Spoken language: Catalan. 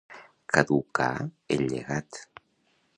Caducar el llegat.